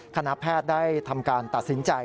คณะแพทย์ได้ทำการตัดสินใจ